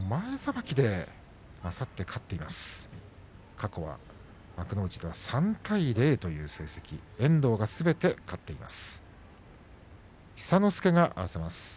過去は幕内３対０という成績で遠藤がすべて勝っています。